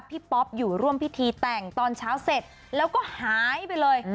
ป๊อปอยู่ร่วมพิธีแต่งตอนเช้าเสร็จแล้วก็หายไปเลย